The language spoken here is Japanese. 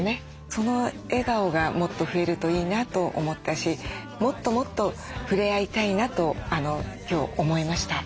その笑顔がもっと増えるといいなと思ったしもっともっと触れ合いたいなと今日思いました。